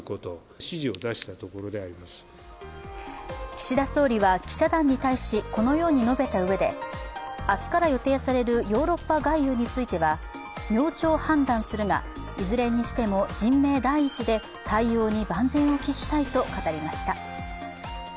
岸田総理は記者団に対しこのように述べたうえで明日から予定されるヨーロッパ外遊については明朝判断するが、いずれにしても人命第一で、対応に万全を期したいと語りました。